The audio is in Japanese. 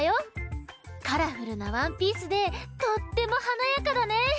カラフルなワンピースでとってもはなやかだね！